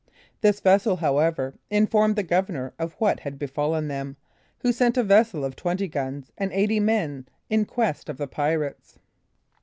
This vessel, however, informed the governor of what had befallen them, who sent a vessel of twenty guns and eighty men in quest of the pirates.